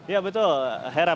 ya betul hera